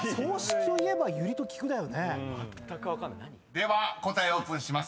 ［では答えオープンします］